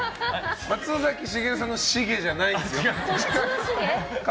松崎しげるさんのシゲじゃないですよ。